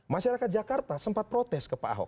masyarakat jakarta sempat protes ke pak ahok